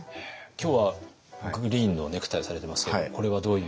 今日はグリーンのネクタイをされてますけどこれはどういう？